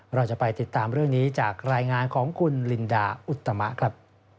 เราจะไปติดตามเรื่องนี้จากรายงานของคุณลินดาอุตมะครับ